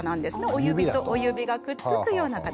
お指とお指がくっつくような形。